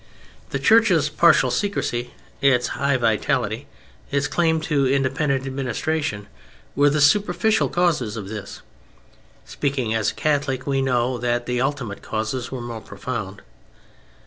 The Church's partial secrecy, its high vitality, its claim to independent administration, were the superficial causes of this. Speaking as Catholics, we know that the ultimate causes were more profound.